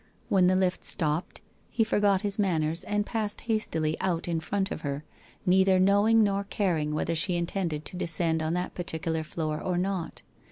When the lift stopped, he forgot his manners and passed hastily out in front of her, neither knowing nor caring whether she intended to de scend on that particular floor or not.